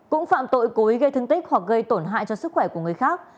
cũng phạm tội cố ý gây thương tích hoặc gây tổn hại cho sức khỏe của người khác